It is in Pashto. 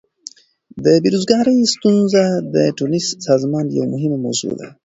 د بیروزګاری ستونزه د ټولنیز سازمان یوه مهمه موضوع ده.